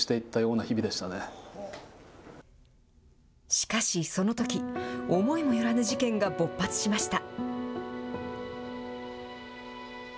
しかし、そのとき、思いもよらぬ事件が勃発しました。